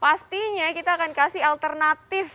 pastinya kita akan kasih alternatif